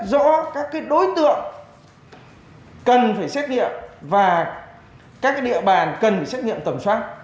và các cái địa bàn cần phải xét nghiệm tầm soát